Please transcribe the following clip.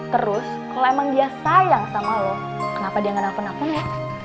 terus kalo emang dia sayang sama lo kenapa dia ga napun dua ya